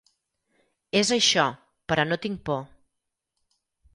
És això, però no tinc por.